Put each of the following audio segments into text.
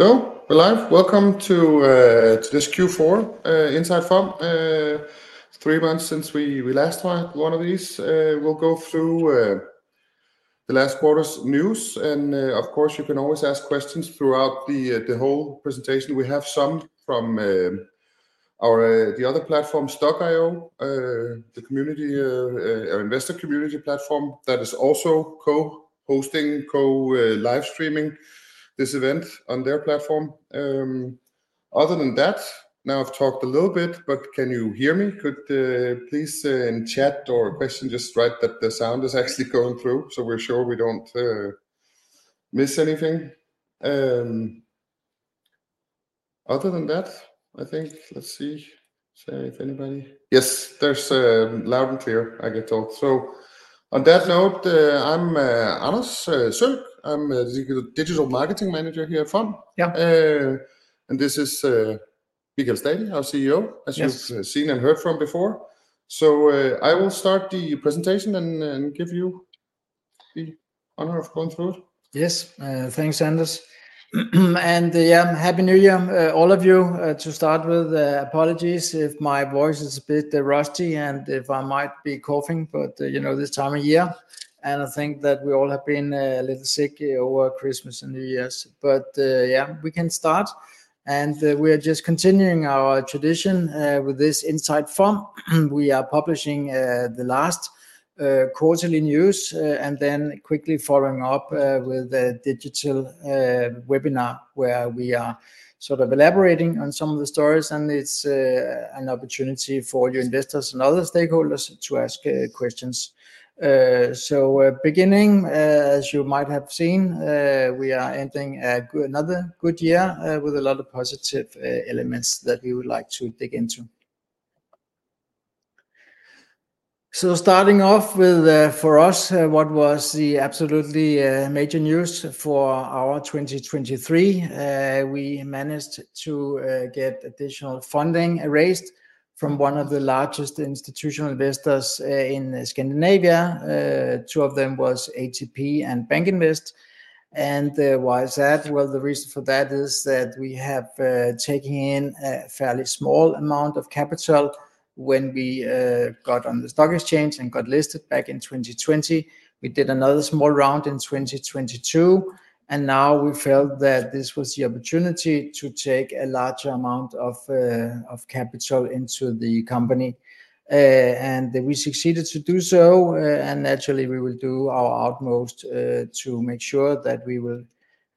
So, we're live. Welcome to this Q4 Inside FOM. Three months since we last had one of these. We'll go through the last quarter's news, and of course, you can always ask questions throughout the whole presentation. We have some from the other platform, Stock.io, the community, our investor community platform that is also co-hosting, co-live streaming this event on their platform. Other than that, now, I've talked a little bit, but can you hear me? Could, please, in chat or question, just write that the sound is actually going through, so we're sure we don't miss anything. Other than that, I think... Let's see. So if anybody - Yes, there's "loud and clear," I get told. So on that note, I'm Anders Zølck. I'm a digital marketing manager here at FOM. Yeah. This is Michael Stadi, our CEO- Yes... as you've seen and heard from before. So, I will start the presentation and give you the honor of going through it. Yes. Thanks, Anders. Yeah, happy New Year, all of you. To start with, apologies if my voice is a bit rusty and if I might be coughing, but, you know, this time of year, and I think that we all have been a little sick over Christmas and New Year's. But, yeah, we can start. We are just continuing our tradition with this inside FOM. We are publishing the last quarterly news, and then quickly following up with a digital webinar, where we are sort of elaborating on some of the stories, and it's an opportunity for your investors and other stakeholders to ask questions. So we're beginning, as you might have seen, we are ending another good year with a lot of positive elements that we would like to dig into. So starting off with, for us, what was the absolutely major news for our 2023, we managed to get additional funding raised from one of the largest institutional investors in Scandinavia. Two of them was ATP and BankInvest. And, why is that? Well, the reason for that is that we have taken in a fairly small amount of capital when we got on the stock exchange and got listed back in 2020. We did another small round in 2022, and now we felt that this was the opportunity to take a larger amount of capital into the company. And we succeeded to do so, and naturally, we will do our utmost to make sure that we will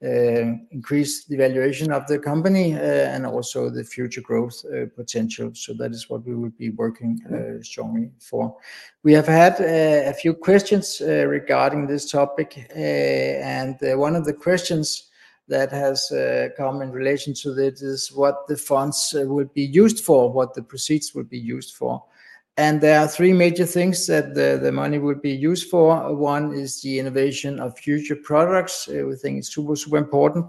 increase the valuation of the company, and also the future growth potential. So that is what we will be working strongly for. We have had a few questions regarding this topic, and one of the questions that has come in relation to this is what the funds will be used for, what the proceeds will be used for. And there are three major things that the money will be used for. One is the innovation of future products. We think it's super, super important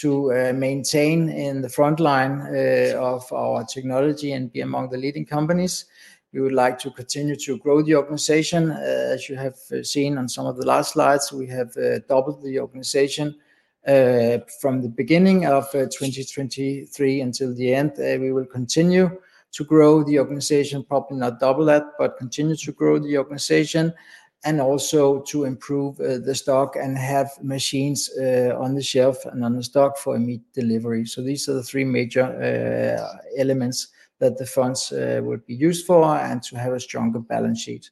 to maintain in the front line of our technology and be among the leading companies. We would like to continue to grow the organization. As you have seen on some of the last slides, we have doubled the organization from the beginning of 2023 until the end. We will continue to grow the organization, probably not double that, but continue to grow the organization and also to improve the stock and have machines on the shelf and on the stock for immediate delivery. So these are the three major elements that the funds would be used for and to have a stronger balance sheet.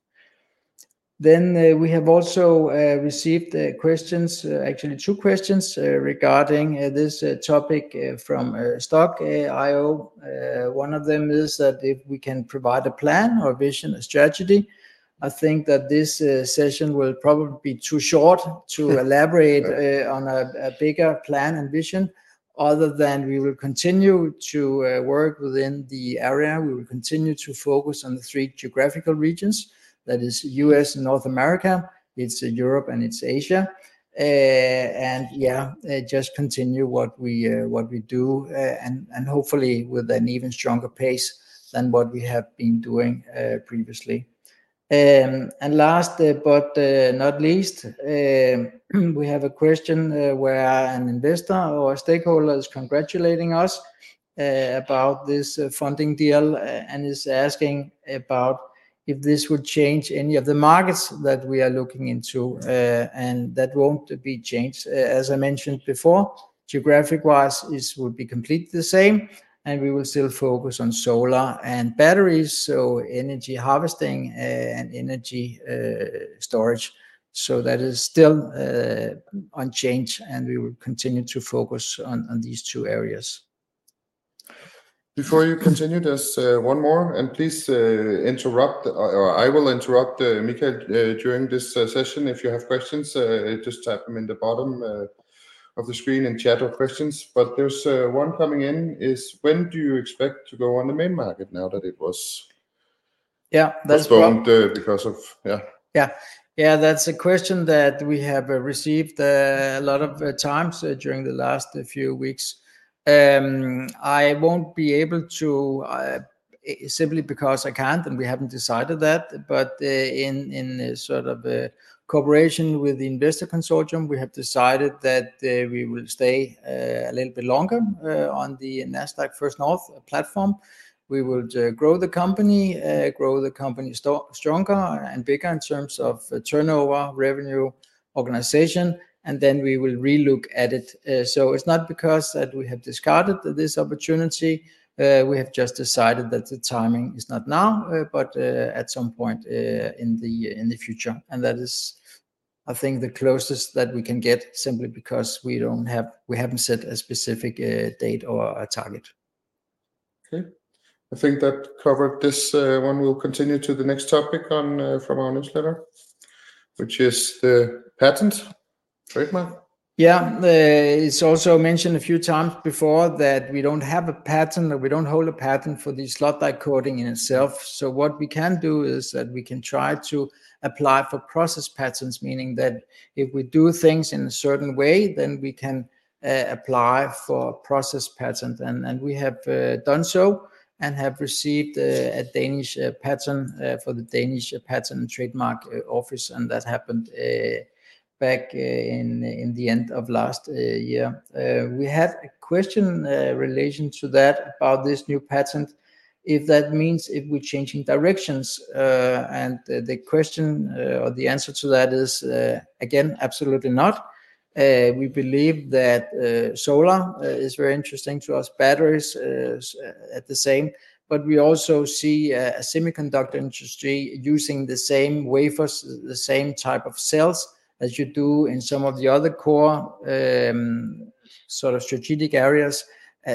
Then we have also received questions, actually two questions, regarding this topic from Stock.io. One of them is that if we can provide a plan or vision, a strategy, I think that this session will probably be too short to elaborate-... On a bigger plan and vision, other than we will continue to work within the area. We will continue to focus on the three geographical regions, that is U.S., North America, it's Europe, and it's Asia. Yeah, just continue what we do, and hopefully with an even stronger pace than what we have been doing previously. Last, but not least, we have a question where an investor or stakeholder is congratulating us about this funding deal and is asking about if this would change any of the markets that we are looking into, and that won't be changed. As I mentioned before, geographic-wise, this would be completely the same, and we will still focus on solar and batteries, so energy harvesting and energy storage. That is still unchanged, and we will continue to focus on these two areas. Before you continue, there's one more, and please interrupt, or I will interrupt Michael during this session, if you have questions, just type them in the bottom of the screen in chat or questions. But there's one coming in, is: when do you expect to go on the main market now that it was- Yeah, that's- Postponed because of... Yeah. Yeah. Yeah, that's a question that we have received a lot of times during the last few weeks. I won't be able to simply because I can't, and we haven't decided that, but in this sort of cooperation with the investor consortium, we have decided that we will stay a little bit longer on the Nasdaq First North platform. We will grow the company, grow the company stronger and bigger in terms of turnover, revenue, organization, and then we will re-look at it. So it's not because that we have discarded this opportunity, we have just decided that the timing is not now, but at some point in the future. That is, I think, the closest that we can get, simply because we haven't set a specific date or a target. Okay. I think that covered this one. We'll continue to the next topic on from our newsletter, which is the patent trademark. Yeah. It's also mentioned a few times before that we don't have a patent, or we don't hold a patent for the slot-die coating in itself. So what we can do is that we can try to apply for process patents, meaning that if we do things in a certain way, then we can apply for a process patent. And we have done so and have received a Danish patent for the Danish Patent and Trademark Office, and that happened back in the end of last year. We had a question in relation to that about this new patent, if that means if we're changing directions. And the question or the answer to that is again, absolutely not. We believe that solar is very interesting to us. Batteries is at the same, but we also see a semiconductor industry using the same wafers, the same type of cells as you do in some of the other core sort of strategic areas.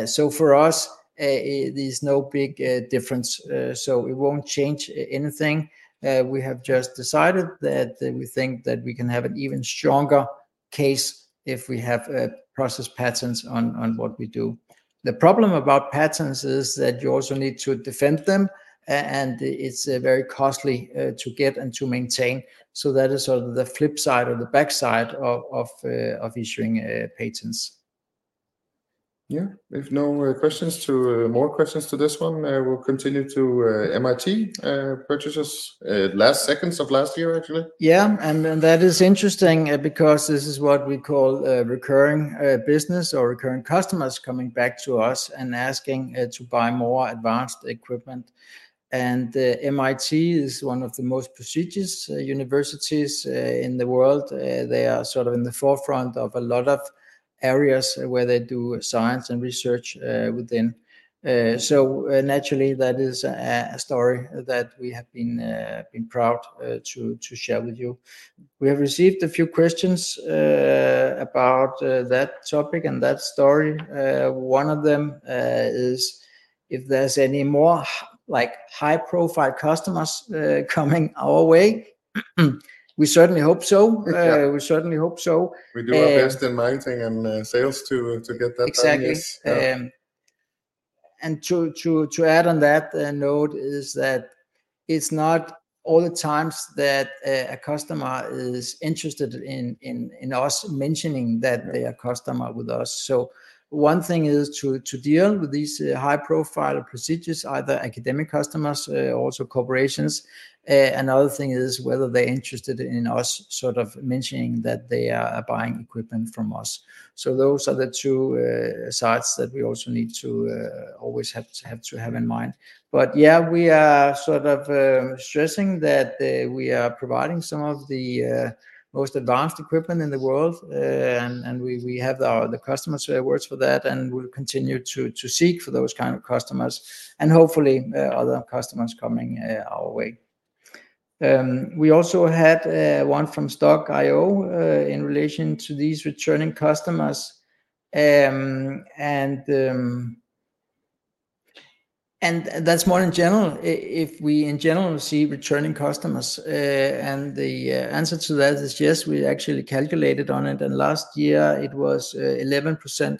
So for us, there's no big difference, so it won't change anything. We have just decided that we think that we can have an even stronger case if we have process patents on what we do. The problem about patents is that you also need to defend them, and it's very costly to get and to maintain. So that is sort of the flip side or the back side of issuing patents. Yeah. If no more questions to this one, we'll continue to MIT purchases last seconds of last year, actually. Yeah, and that is interesting, because this is what we call a recurring business or recurring customers coming back to us and asking to buy more advanced equipment. And MIT is one of the most prestigious universities in the world. They are sort of in the forefront of a lot of areas where they do science and research within. So, naturally, that is a story that we have been proud to share with you. We have received a few questions about that topic and that story. One of them is if there's any more, like, high-profile customers coming our way? We certainly hope so. Yeah. We certainly hope so. We do our best in marketing and sales to get that done, yes. Exactly. And to add on that note is that it's not all the times that a customer is interested in us mentioning that they are customer with us. So one thing is to deal with these high-profile, prestigious, either academic customers, also corporations. Another thing is whether they're interested in us sort of mentioning that they are buying equipment from us. So those are the two sides that we also need to always have to have in mind. But yeah, we are sort of stressing that we are providing some of the most advanced equipment in the world, and we have the customers' words for that, and we'll continue to seek for those kind of customers, and hopefully other customers coming our way. We also had one from Stock.io in relation to these returning customers. And that's more in general, if we in general see returning customers, and the answer to that is yes, we actually calculated on it, and last year it was 11%,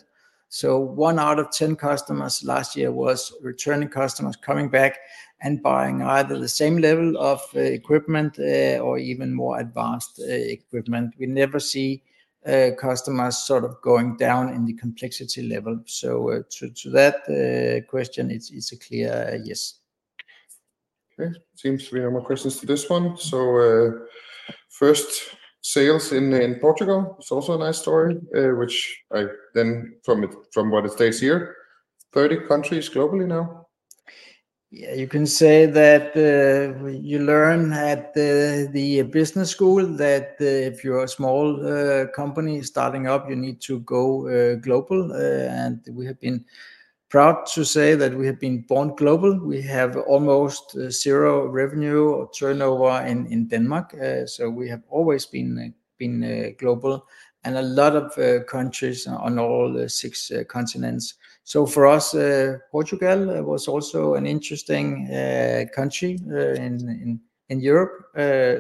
so one out of ten customers last year was returning customers, coming back and buying either the same level of equipment or even more advanced equipment. We never see customers sort of going down in the complexity level. To that question, it's a clear yes. Okay, seems we have more questions to this one. So, first, sales in Portugal is also a nice story, which I then from it, from what it states here, 30 countries globally now? Yeah, you can say that, you learn at the business school, that if you're a small company starting up, you need to go global. And we have been proud to say that we have been born global. We have almost zero revenue or turnover in Denmark. So we have always been global and a lot of countries on all the six continents. So for us, Portugal was also an interesting country in Europe.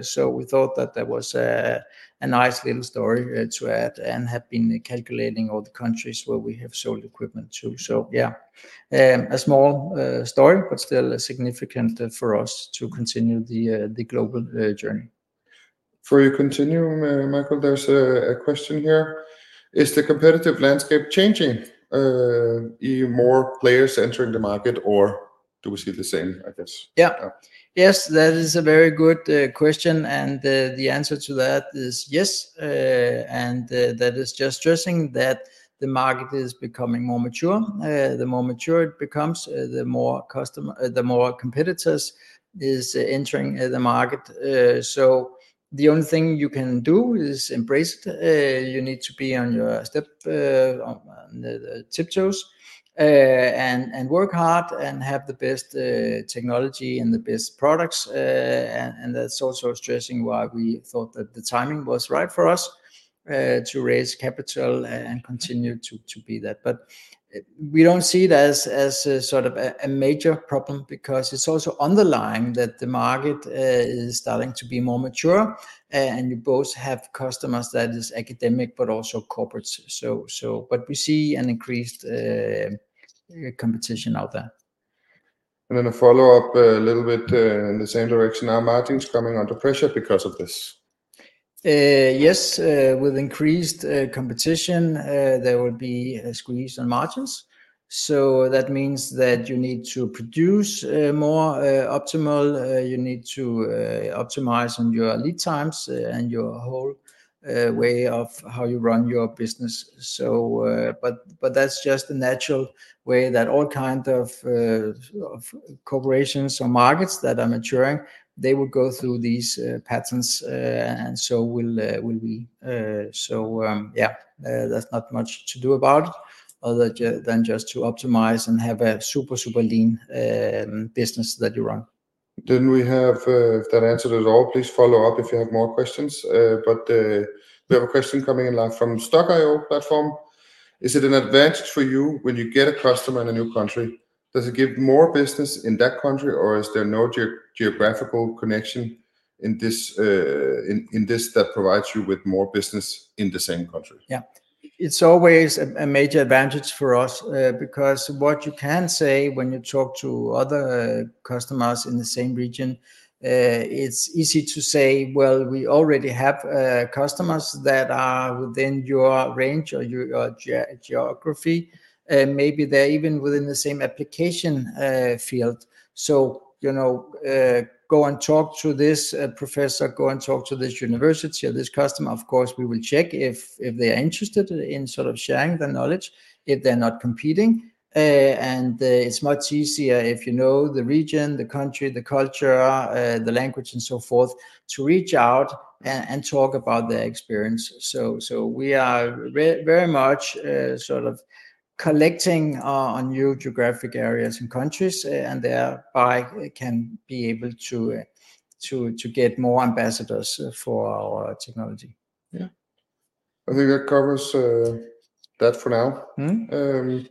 So we thought that that was a nice little story to add, and have been calculating all the countries where we have sold equipment to. So yeah, a small story, but still significant for us to continue the global journey.... Before you continue, Michael, there's a question here: Is the competitive landscape changing? Are more players entering the market, or do we see the same, I guess? Yeah. Yes, that is a very good question, and the answer to that is yes. And that is just stressing that the market is becoming more mature. The more mature it becomes, the more competitors is entering the market. So the only thing you can do is embrace it. You need to be on your tiptoes and work hard and have the best technology and the best products. And that's also stressing why we thought that the timing was right for us to raise capital and continue to be that. But we don't see it as a sort of a major problem, because it's also underlying that the market is starting to be more mature. You both have customers that is academic, but also corporates. So but we see an increased competition out there. And then a follow-up, a little bit, in the same direction. Are margins coming under pressure because of this? Yes, with increased competition, there will be a squeeze on margins. So that means that you need to produce more optimal, you need to optimize on your lead times and your whole way of how you run your business. So, but that's just the natural way that all kind of corporations or markets that are maturing, they will go through these patterns, and so will we. So, yeah, there's not much to do about it other than just to optimize and have a super, super lean business that you run. Then we have... if that answered at all, please follow up if you have more questions. But we have a question coming in live from Stock.io platform. Is it an advantage for you when you get a customer in a new country? Does it give more business in that country, or is there no geographical connection in this that provides you with more business in the same country? Yeah. It's always a major advantage for us, because what you can say when you talk to other customers in the same region, it's easy to say, "Well, we already have customers that are within your range or your geography, and maybe they're even within the same application field. So, you know, go and talk to this professor, go and talk to this university or this customer." Of course, we will check if they're interested in sort of sharing their knowledge, if they're not competing. And it's much easier if you know the region, the country, the culture, the language, and so forth, to reach out and talk about their experience. So, we are very much sort of collecting on new geographic areas and countries, and thereby can be able to to get more ambassadors for our technology. Yeah. I think that covers that for now. Mm.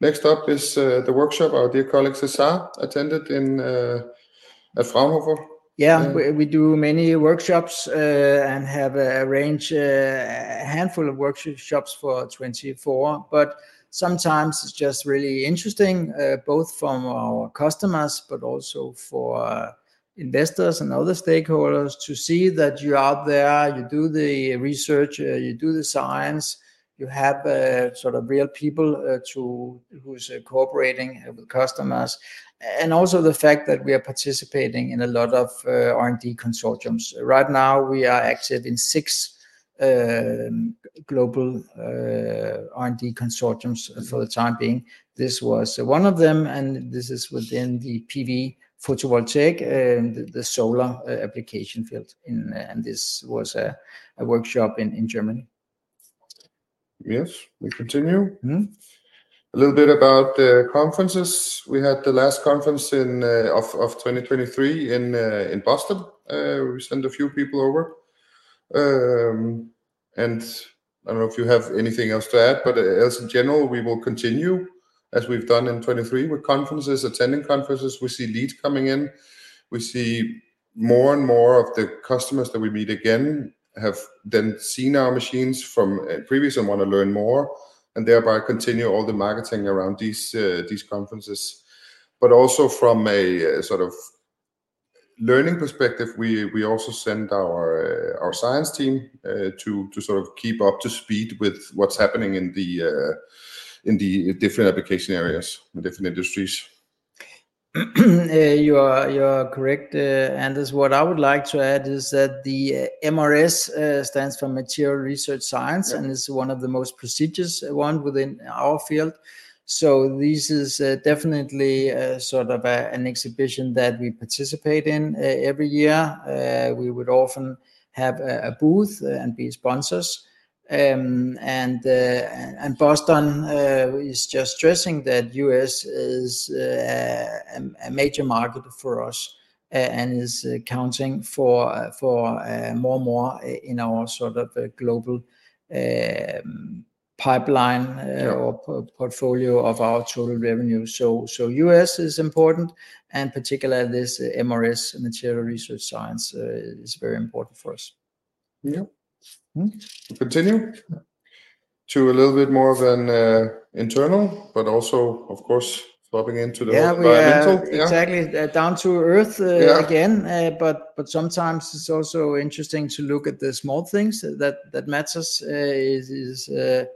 Next up is the workshop our dear colleague César attended at Fraunhofer. Yeah, we do many workshops and have arranged a handful of workshops for 2024. But sometimes it's just really interesting, both from our customers, but also for investors and other stakeholders, to see that you're out there, you do the research, you do the science, you have sort of real people who is cooperating with customers. And also the fact that we are participating in a lot of R&D consortiums. Right now, we are active in six global R&D consortiums for the time being. This was one of them, and this is within the PV, photovoltaic, and the solar application field. And this was a workshop in Germany. Yes, we continue. Mm. A little bit about the conferences. We had the last conference in of 2023 in Boston. We sent a few people over. And I don't know if you have anything else to add, but as in general, we will continue, as we've done in 2023, with conferences, attending conferences. We see leads coming in. We see more and more of the customers that we meet again, have then seen our machines from previously and want to learn more, and thereby continue all the marketing around these conferences. But also from a sort of learning perspective, we also send our science team to sort of keep up to speed with what's happening in the different application areas and different industries. You are, you are correct, Anders. What I would like to add is that the MRS stands for Materials Research Society- Yeah... and is one of the most prestigious one within our field. So this is definitely a sort of an exhibition that we participate in every year. We would often have a booth and be sponsors. And Boston is just stressing that U.S. is a major market for us, and is accounting for more and more in our sort of global pipeline- Yeah... or portfolio of our total revenue. So, U.S. is important, and particularly this MRS, Materials Research Society, is very important for us. Yeah.... Mm-hmm. Continue to a little bit more of an internal, but also, of course, dropping into the environmental, yeah. Yeah, we exactly, down to earth. Yeah... again, but sometimes it's also interesting to look at the small things that matters, sort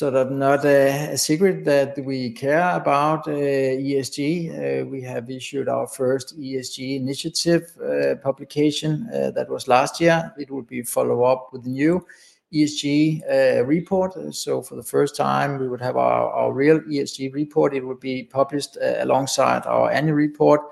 of not a secret that we care about ESG. We have issued our first ESG initiative publication that was last year. It will be follow up with the new ESG report. So for the first time, we would have our real ESG report. It will be published alongside our annual report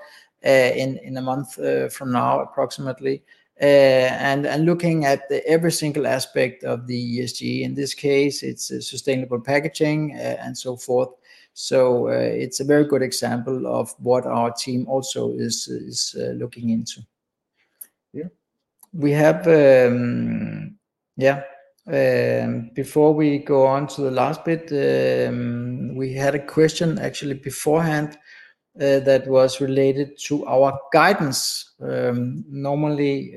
in a month from now, approximately. And looking at every single aspect of the ESG, in this case, it's sustainable packaging and so forth. So it's a very good example of what our team also is looking into. Yeah. We have, yeah, before we go on to the last bit, we had a question actually beforehand that was related to our guidance. Normally,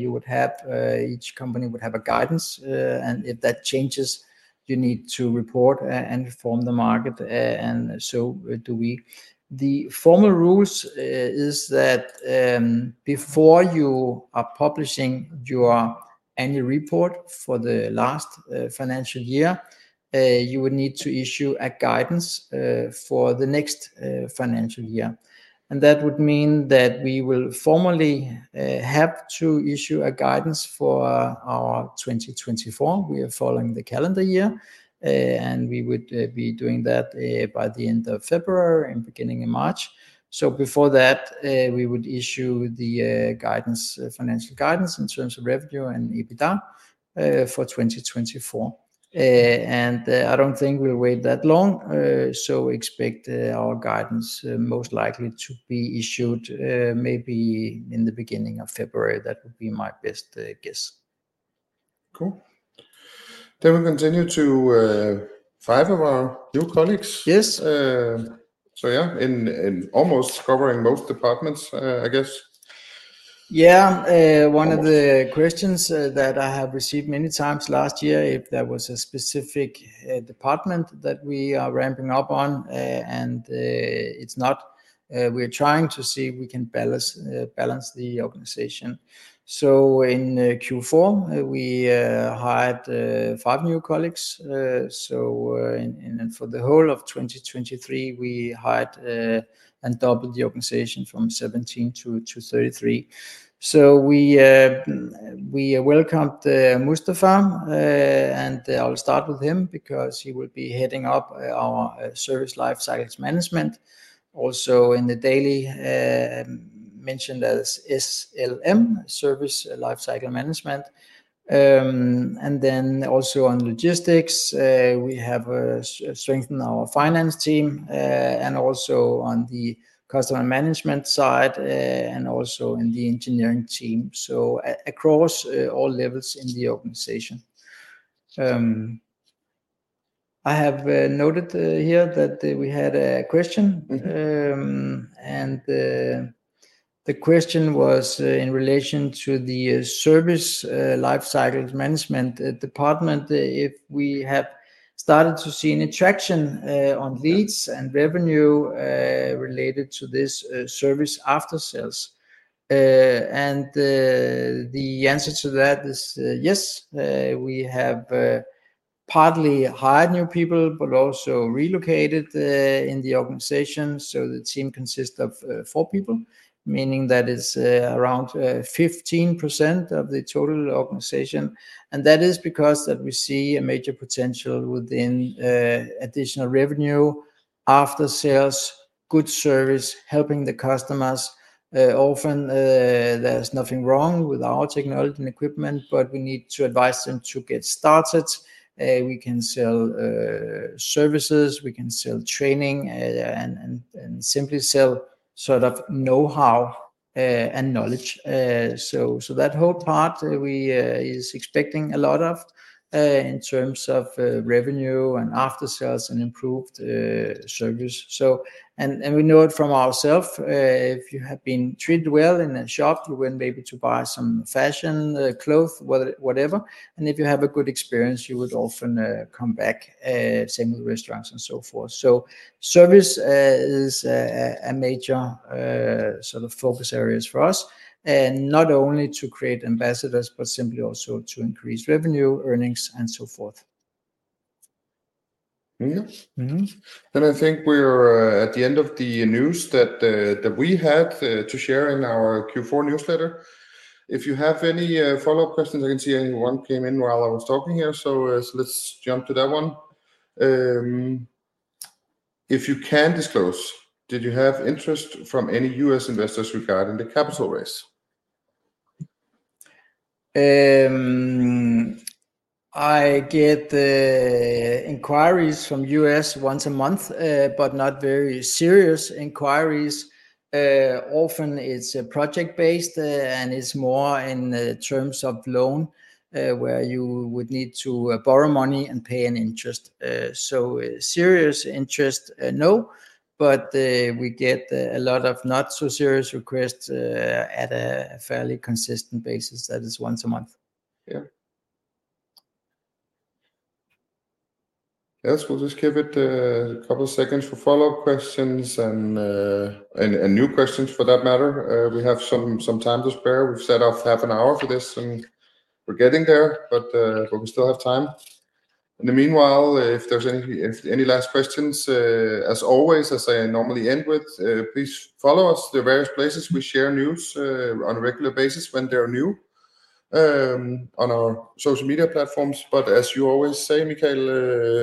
you would have, each company would have a guidance, and if that changes, you need to report and inform the market, and so do we. The formal rules is that, before you are publishing your annual report for the last financial year, you would need to issue a guidance for the next financial year. And that would mean that we will formally have to issue a guidance for our 2024. We are following the calendar year, and we would be doing that by the end of February and beginning in March. So before that, we would issue the guidance, financial guidance in terms of revenue and EBITDA for 2024. And I don't think we'll wait that long, so expect our guidance most likely to be issued maybe in the beginning of February. That would be my best guess. Cool. Then we continue to five of our new colleagues. Yes. So yeah, in almost covering most departments, I guess. Yeah. Almost. One of the questions that I have received many times last year, if there was a specific department that we are ramping up on, and it's not. We're trying to see if we can balance the organization. So in Q4, we hired five new colleagues. And for the whole of 2023, we hired and doubled the organization from 17 to 33. So we welcomed Mustafa, and I will start with him because he will be heading up our Service Lifecycle Management. Also in the daily mentioned as SLM, Service Lifecycle Management. And then also on logistics, we have strengthened our finance team, and also on the customer management side, and also in the engineering team, so across all levels in the organization. I have noted here that we had a question- Mm-hmm... and the question was in relation to the service lifecycle management department, if we have started to see any traction on leads and revenue related to this service after sales. And the answer to that is, yes, we have partly hired new people, but also relocated in the organization. So the team consists of four people, meaning that is around 15% of the total organization, and that is because that we see a major potential within additional revenue, after sales, good service, helping the customers. Often, there's nothing wrong with our technology and equipment, but we need to advise them to get started. We can sell services, we can sell training, and simply sell sort of know-how and knowledge. So that whole part we is expecting a lot of in terms of revenue and after sales and improved service. And we know it from ourself if you have been treated well in a shop, you went maybe to buy some fashion clothes, whatever, and if you have a good experience, you would often come back, same with restaurants and so forth. So service is a major sort of focus areas for us, and not only to create ambassadors, but simply also to increase revenue, earnings, and so forth. Yeah. Mm-hmm. Then I think we're at the end of the news that that we had to share in our Q4 newsletter. If you have any follow-up questions, I can see one came in while I was talking here, so let's jump to that one. If you can disclose, did you have interest from any U.S. investors regarding the capital raise? I get inquiries from U.S. once a month, but not very serious inquiries. Often it's project-based, and it's more in terms of loan, where you would need to borrow money and pay an interest. So serious interest, no, but we get a lot of not so serious requests at a fairly consistent basis. That is once a month. Yeah.... Yes, we'll just give it a couple of seconds for follow-up questions and new questions for that matter. We have some time to spare. We've set off half an hour for this, and we're getting there, but we still have time. In the meanwhile, if there's any last questions, as always, as I normally end with, please follow us. There are various places we share news on a regular basis when they are new on our social media platforms. But as you always say, Michael,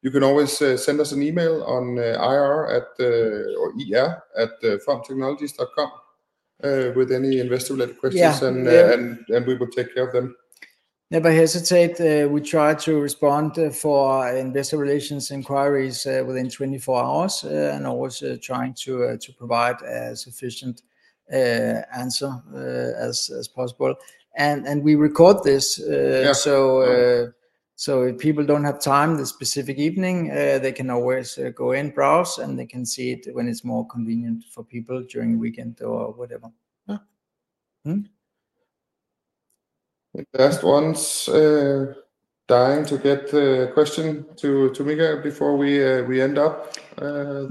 you can always send us an email on ir@fomtechnologies.com with any investor related questions- Yeah. we will take care of them. Never hesitate. We try to respond for investor relations inquiries within 24 hours, and always trying to provide as efficient answer as possible. And we record this, Yeah. So, if people don't have time this specific evening, they can always go in, browse, and they can see it when it's more convenient for people during the weekend or whatever. Yeah. Mm. Any last ones, dying to get a question to, to Michael before we, we end up,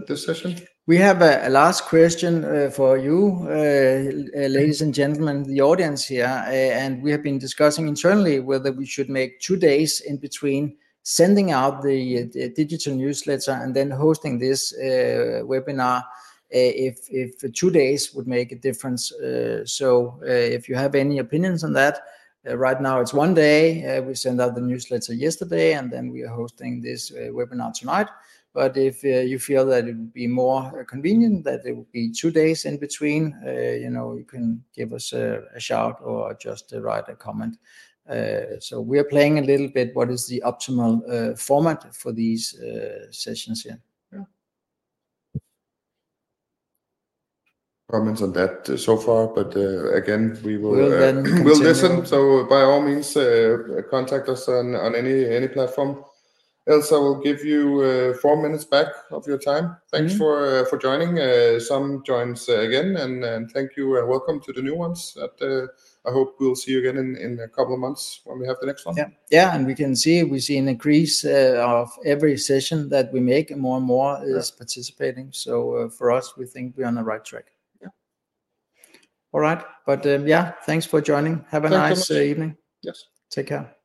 this session? We have a last question for you, ladies and gentlemen, the audience here, and we have been discussing internally whether we should make two days in between sending out the digital newsletter and then hosting this webinar, if two days would make a difference. So, if you have any opinions on that, right now it's one day. We sent out the newsletter yesterday, and then we are hosting this webinar tonight. But if you feel that it would be more convenient, that it would be two days in between, you know, you can give us a shout or just write a comment. So we are playing a little bit what is the optimal format for these sessions here. Yeah. Comments on that so far, but, again, we will- We'll then continue. We'll listen, so by all means, contact us on any platform. Else, I will give you four minutes back of your time. Mm-hmm. Thanks for joining. Some joiners again, and thank you and welcome to the new ones that I hope we'll see you again in a couple of months when we have the next one. Yeah. Yeah, and we can see, we see an increase of every session that we make, more and more- Yeah... is participating. So, for us, we think we're on the right track. Yeah. All right. But, yeah, thanks for joining. Thank you very much. Have a nice evening. Yes. Take care.